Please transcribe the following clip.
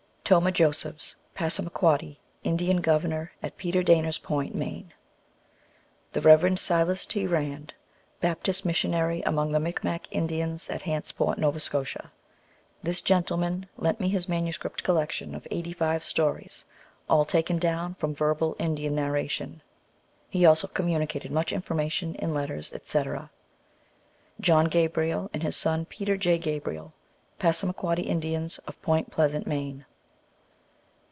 Tomah Josephs, Passamaquoddy, Indian Governor at Peter Dana s Point, Maine. The Rev. Silas T. Rand, Baptist Missionary among the Mic mac Indians at Hantsport, Nova Scotia. This gentleman lent me his manuscript collection of eighty five stories, all taken down from verbal Indian narration. He also communicated much information in letters, etc. John Gabriel, and his son Peter J. Gabriel, Passarnaquoddy In dians, of Point Pleasant, Maine.